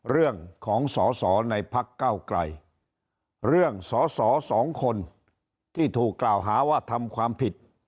เรื่องของสอสอในพักเก้าไกลเรื่องสอสอสองคนที่ถูกกล่าวหาว่าทำความผิด